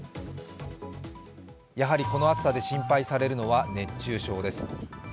やはりこの暑さで心配されるのは、熱中症です。